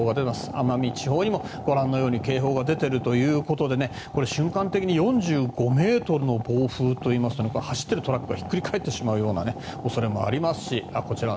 奄美地方にもご覧のように警報が出ているということで瞬間的に４５メートルの暴風といいますと走っているトラックがひっくり返ってしまうような恐れもありますし